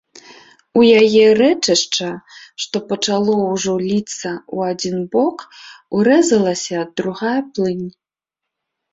У яе рэчышча, што пачало ўжо ліцца ў адзін бок, урэзалася другая плынь.